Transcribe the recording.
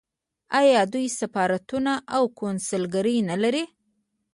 آیا دوی سفارتونه او کونسلګرۍ نلري؟